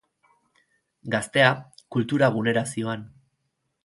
Gaztea, kultura gunera zihoan.